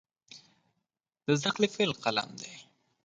د زده کړې پیل قلم دی.